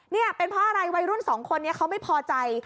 นี่เป็นเพราะอะไรวัยรุ่นสองคนนี้เขาไม่พอใจ